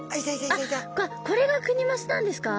あっこれがクニマスなんですか？